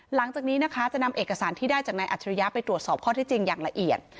หลังจากนี้นะคะจะนำเอกสารที่ได้จากนายอัจฉริยะไปตรวจสอบข้อที่จริงอย่างละเอียด